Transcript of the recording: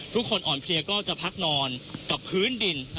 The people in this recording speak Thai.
ทุกคนอ่อนเพลียก็จะพักนอนกับพื้นดิน